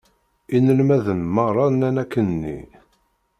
Inelmaden meṛṛa nnan akken-nni.